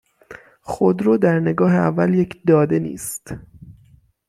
خودرو در نگاه اول یک داده نیست